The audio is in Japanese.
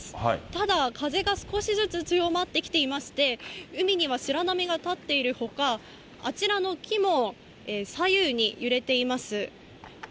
ただ、風が少しずつ強くなってきていまして、海には白波が立っているほか、あちらの木も左右に揺れています。